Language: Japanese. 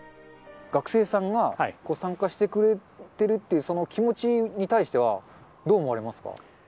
学生さんが参加してくれてるっていう、その気持ちに対してはどう思われますか？